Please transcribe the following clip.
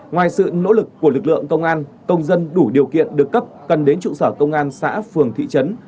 ngoài sự nỗ lực của lực lượng công an công dân đủ điều kiện được cấp cần đến trụ sở công an xã phường thị trấn